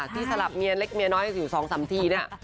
ที่สลับเล็กเมียน้อยอยู่สองสามทีเนี่ย